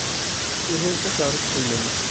Tihin d takeṛṛust-nnem.